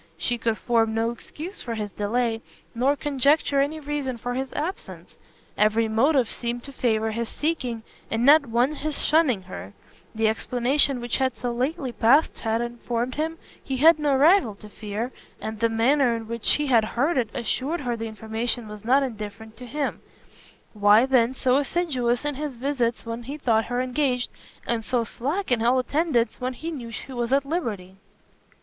She could form no excuse for his delay, nor conjecture any reason for his absence. Every motive seemed to favour his seeking, and not one his shunning her: the explanation which had so lately passed had informed him he had no rival to fear, and the manner in which he had heard it assured her the information was not indifferent to him; why, then, so assiduous in his visits when he thought her engaged, and so slack in all attendance when he knew she was at liberty?